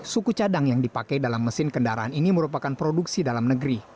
suku cadang yang dipakai dalam mesin kendaraan ini merupakan produksi dalam negeri